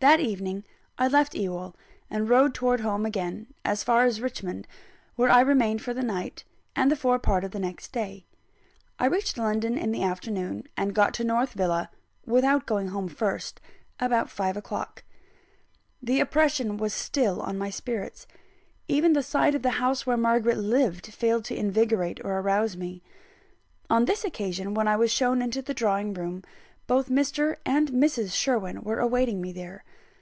That evening I left Ewell, and rode towards home again, as far as Richmond, where I remained for the night and the forepart of the next day. I reached London in the afternoon; and got to North Villa without going home first about five o'clock. The oppression was still on my spirits. Even the sight of the house where Margaret lived failed to invigorate or arouse me. On this occasion, when I was shown into the drawing room, both Mr. and Mrs. Sherwin were awaiting me there.